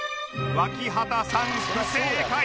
脇畑さん不正解